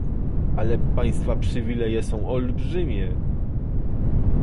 Ale państwa przywileje są olbrzymie